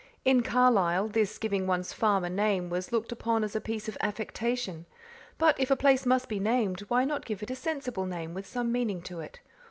In Carlisle this giving one's farm a name was looked upon as a piece of affectation; but if a place must be named why not give it a sensible name with some meaning to it?